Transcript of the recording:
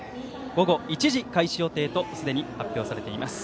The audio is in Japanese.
午後１時開始予定とすでに発表されています。